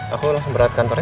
aku langsung berat kantor ya